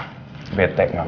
gue udah bikin lu marah